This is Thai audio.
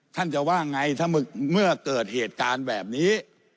ท่านจะว่าไงถ้าเมื่อเกิดเหตุการณ์แบบนี้